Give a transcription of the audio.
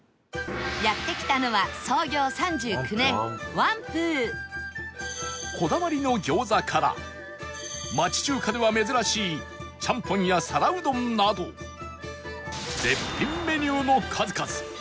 やって来たのはこだわりの餃子から町中華では珍しいチャンポンや皿うどんなど絶品メニューの数々